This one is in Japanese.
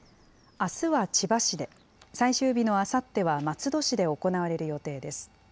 あすは千葉市で、最終日のあさっては松戸市で行われる予定です。